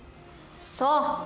そう。